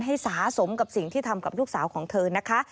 สะสมกับสิ่งที่ทำกับลูกสาวของเธอนะคะ